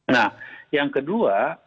nah yang kedua